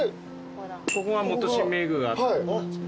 ここが元神明宮があった。